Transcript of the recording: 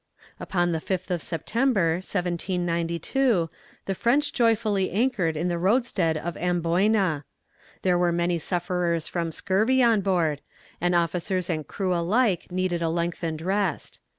Upon the 5th of September, 1792, the French joyfully anchored in the roadstead of Amboyna. There were many sufferers from scurvy on board, and officers and crew alike needed a lengthened rest.